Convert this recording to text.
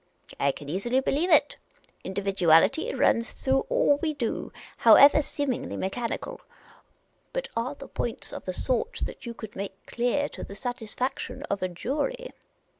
" I can easily believe it. Individuality runs through all we do, however seemingly mechanical. But are the points of a sort that you could make clear in court to the satisfaction of a j ury